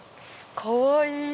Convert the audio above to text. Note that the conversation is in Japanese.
かわいい！